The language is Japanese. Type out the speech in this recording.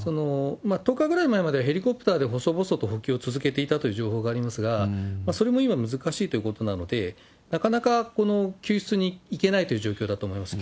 １０日ぐらい前まではヘリコプターで細々と補給を続けていたという情報がありますが、それも今、難しいということなので、なかなかこの救出に行けないという状況だと思います。